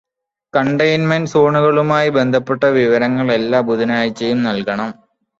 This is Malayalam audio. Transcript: കണ്ടെയ്ൻമെന്റ് സോണുകളുമായി ബന്ധപ്പെട്ട വിവരങ്ങള് എല്ലാ ബുധനാഴ്ചയും നൽകണം.